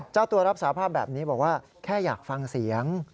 เจ้าตัวรับสาภาพแบบนี้บอกว่าแค่อยากฟังเสียง